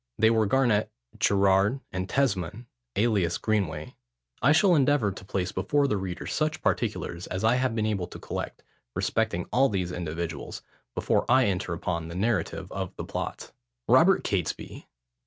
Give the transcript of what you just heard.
They were Garnet, Gerrard, and Tesmond, alias Greenway. I shall endeavour to place before the reader such particulars as I have been able to collect respecting all these individuals, before I enter upon the narrative of the plot. ROBERT CATESBY.